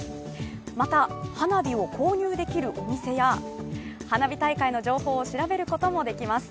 また、花火を購入できるお店や花火大会の情報を調べることもできます。